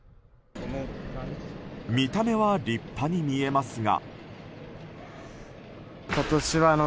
見た目は立派に見えますが。